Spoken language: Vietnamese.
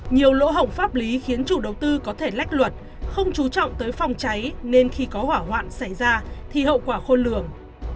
nhiều lỗ hổng pháp lý khiến chủ đầu tư có thể lách luật không chú trọng tới phòng cháy nên khi có hỏa hoạn xảy ra thì hậu quả khôn lường